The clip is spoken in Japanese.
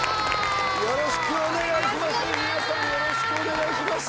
よろしくお願いします。